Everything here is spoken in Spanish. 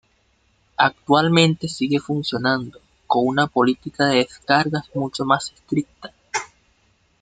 Actualmente sigue funcionando, con una política de descargas mucho más estricta.